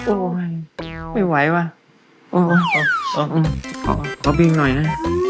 โอ้ยไม่ไหววะเออขอบิ๊มหน่อยนะ